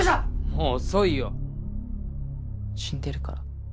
もう遅いよ死んでるから。